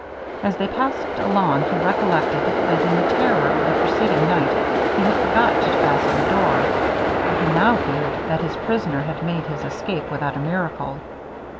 As they passed along he recollected, that in the terror of the preceding night he had forgot to fasten the door, and he now feared that his prisoner had made his escape without a miracle.